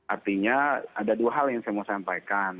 artinya ada dua hal yang saya mau sampaikan